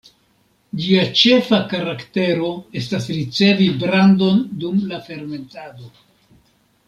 Ĝia ĉefa karaktero estas ricevi brandon dum la fermentado.